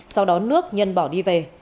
sau đó nước nhân bỏ đi về